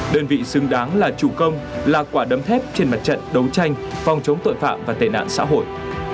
đơn vị xứng đáng là chủ công là quả đấm thép trên mặt trận đấu tranh phòng chống tội phạm và tệ nạn xã hội